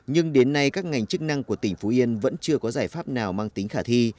nhưng đến nay các ngành chức năng của tỉnh phú yên vẫn chưa có giải pháp nào mang tính khả thi